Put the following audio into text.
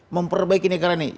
memperbaiki negara ini